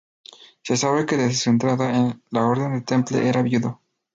Se sabe que desde su entrada en la Orden del Temple era viudo.